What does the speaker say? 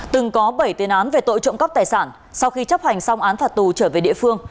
từng có bảy tiền án về tội trộm cắp tài sản sau khi chấp hành xong án phạt tù trở về địa phương